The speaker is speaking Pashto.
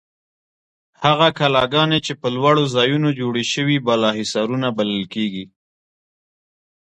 هغه کلاګانې چې په لوړو ځایونو جوړې شوې بالاحصارونه بلل کیږي.